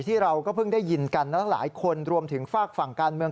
เราก็เพิ่งได้ยินกันทั้งหลายคนรวมถึงฝากฝั่งการเมือง